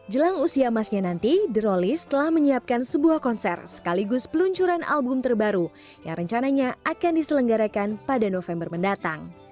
jelang usia emasnya nanti drolist telah menyiapkan sebuah konser sekaligus peluncuran album terbaru yang rencananya akan diselenggarakan pada november mendatang